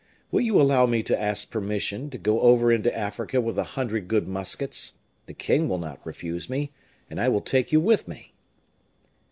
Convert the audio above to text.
Will you allow me to ask permission to go over into Africa with a hundred good muskets? The king will not refuse me, and I will take you with me."